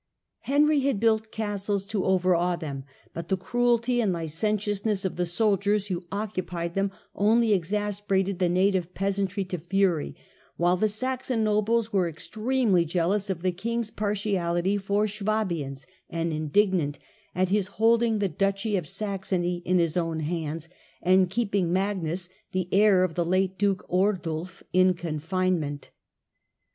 Henry had built castles to overawe them, but the cruelty and licentiousness of the soldiers who occupied them only exasperated the native peasantry to fiiry, while the Saxon nobles were extremely jealous of the king's partiality for Swabians, and indignant at his holding the duchy of Saxony in his own hands, and keeping Magnus, the heir of the late duke Ordulf, in confinement.